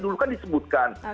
dulu kan disebutkan